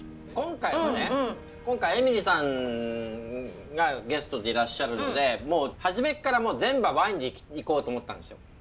今回はね今回えみりさんがゲストでいらっしゃるのでもう初めっから全部ワインでいこうと思ったんですよ。